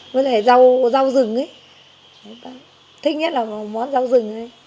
với lại rau rừng ấy thích nhất là món rau rừng ấy